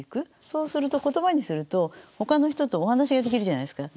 そうすると言葉にするとほかの人とお話ができるじゃないですか。